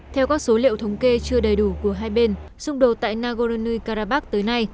theo các số liệu thống kê chưa đầy đủ của hai bên xung đột tại nagorno karabakh tới nay